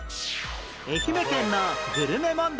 愛媛県のグルメ問題